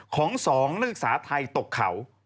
ของ๒นักศึกษาไทยตกเขา